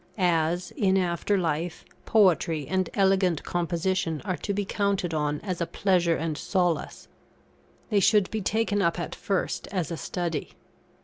As, in after life, poetry and elegant composition are to be counted on as a pleasure and solace, they should be taken up at first as a study.